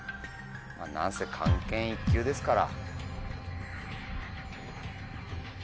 まぁ何せ漢検１級ですから。